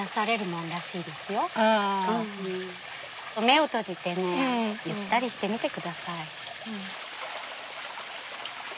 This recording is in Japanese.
目を閉じてねゆったりしてみて下さい。